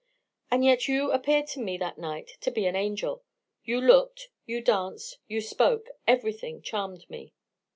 And yet you appeared to me that night to be an angel. You looked, you danced, you spoke everything charmed me."